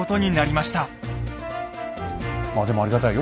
まあでもありがたいよ